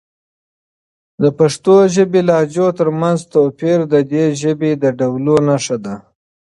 د پښتو ژبې لهجو ترمنځ توپیر د دې ژبې د تنوع نښه ده.